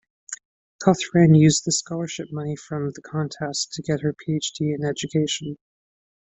Cothran used the scholarship money from the contest to get her Ph.D. in education.